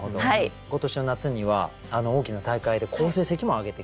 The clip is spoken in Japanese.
今年の夏には大きな大会で好成績も挙げてきましたもんね。